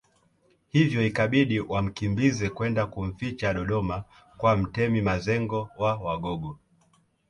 Hivyo ikabidi wamkimbize kwenda kumficha Dodoma kwa Mtemi Mazengo wa Wagogo